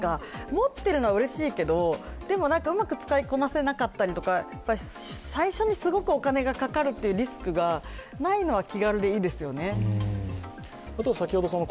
持っているのはうれしいけど、うまく使いこなせなかったりとか、最初にすごくお金がかかるというリスクがないのは気軽でいいですよね。